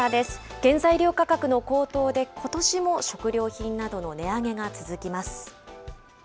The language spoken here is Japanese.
原材料価格の高騰で、ことしも食料品などの値上げが続きます。